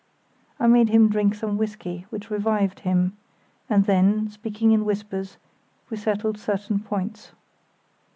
I made him drink some whisky, which revived him; and then, speaking in whispers, we settled certain points.